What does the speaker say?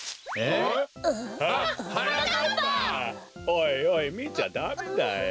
おいおいみちゃダメだよ。